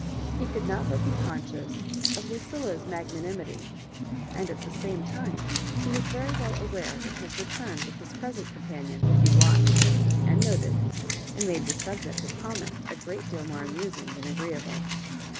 He could not but be conscious of Lucilla's magna nimity ; and at the same time, he was very well aware that his return with his present companion would be watched and noted and made the 8ul>> ject of comment a great deal more amusmg than agreeable.